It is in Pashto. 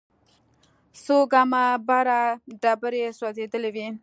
څو ګامه بره ډبرې سوځېدلې وې.